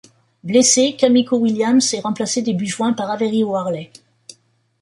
Blessée, Kamiko Williams est remplacée début juin par Avery Warley.